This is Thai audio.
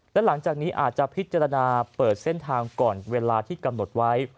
และหลังจากนี้อาจจะพิจารณาเปิดเส้นทางก่อนเวลาที่กำหนดไว้